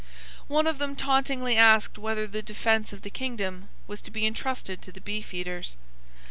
One of them tauntingly asked whether the defence of the kingdom was to be entrusted to the beefeaters.